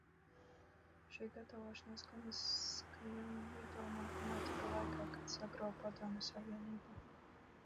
Šī gatavošanās kosmiskajam lidojumam notika laikā, kad sagruva Padomju Savienība.